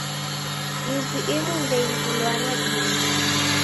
Mizi imu ndeingilwagha nadime